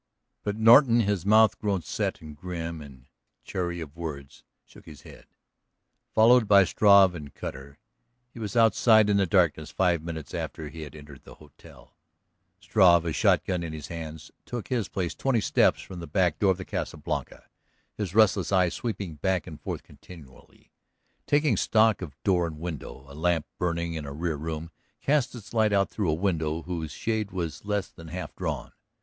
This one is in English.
But Norton, his mouth grown set and grim and chary of words, shook his head. Followed by Struve and Cutter he was outside in the darkness five minutes after he had entered the hotel. Struve, a shotgun in his hands, took his place twenty steps from the back door of the Casa Blanca, his restless eyes sweeping back and forth continually, taking stock of door and window; a lamp burning in a rear room cast its light out through a window whose shade was less than half drawn.